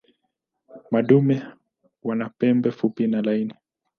Madume wana pembe fupi na laini.